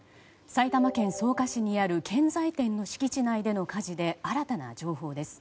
埼玉県草加市にある建材店の敷地内での火事で新たな情報です。